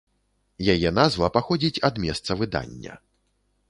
Яе назва паходзіць ад месца выдання.